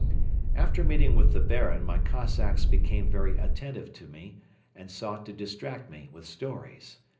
After the meeting with the Baron my Cossacks became very attentive to me and sought to distract me with stories.